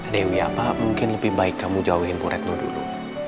dewi apa mungkin lebih baik kamu jauhin pamretmu dulu